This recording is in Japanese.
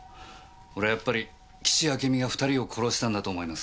俺はやっぱり岸あけみが２人を殺したんだと思います。